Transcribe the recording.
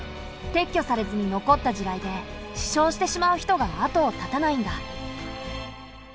撤去されずに残った地雷で死傷してしまう人が後を絶たないんだ。